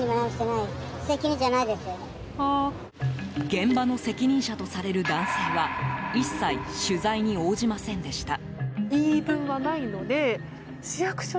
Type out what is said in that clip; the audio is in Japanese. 現場の責任者とされる男性は一切、取材に応じませんでした。